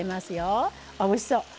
あおいしそう。